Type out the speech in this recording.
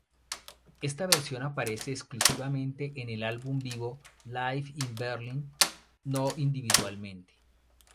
Esta versión aparece exclusivamente en el álbum en vivo "Live in Berlin", no individualmente.